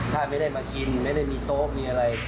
ถ้าไม่ได้มากินไม่ได้มีโต๊ะมีอะไร